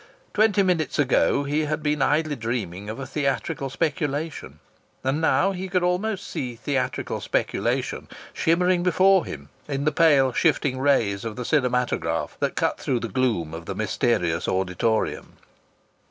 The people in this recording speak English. Twenty minutes ago he had been idly dreaming of theatrical speculation, and now he could almost see theatrical speculation shimmering before him in the pale shifting rays of the cinematograph that cut through the gloom of the mysterious auditorium.